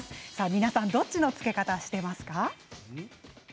皆さん、どっちのつけ方をしていますか？